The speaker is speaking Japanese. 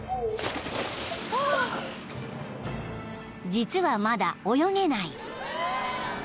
［実はまだ泳げない］